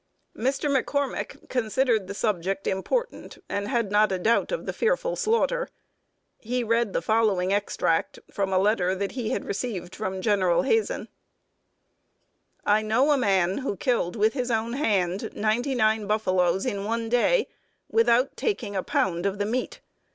Mr. McCormick considered the subject important, and had not a doubt of the fearful slaughter. He read the following extract from a letter that he had received from General Hazen: I know a man who killed with his own hand ninety nine buffaloes in one day, without taking a pound of the meat.